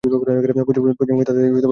পশ্চিমবঙ্গে তাদের পদবী প্রধান।